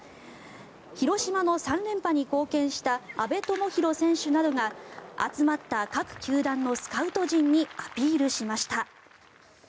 広島の３連覇に貢献した安部友裕選手などが集まった各球団のスカウト陣にアピールしました。